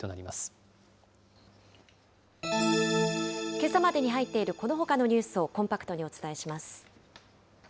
けさまでに入っている、このほかのニュースをコンパクトにお伝えします。